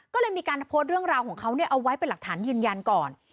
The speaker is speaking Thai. ก็เลยมีการโพสต์เรื่องราวของเขาเอาไว้เป็นหลักฐานยืนยันก่อน